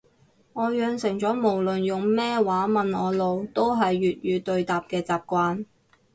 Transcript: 我養成咗無論用咩話問我路都係粵語對答嘅習慣